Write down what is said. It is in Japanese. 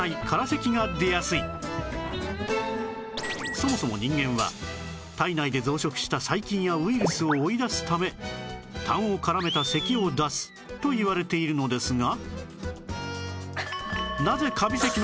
そもそも人間は体内で増殖した細菌やウイルスを追い出すためたんを絡めた咳を出すといわれているのですが